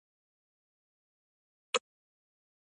د افغانستان مسلمان هیواد ته یې پناه راوړې ده.